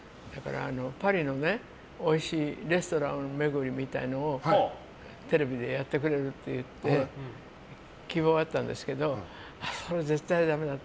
パリのおいしいレストラン巡りみたいなテレビでやってくれるって希望があったんですけど絶対だめだって。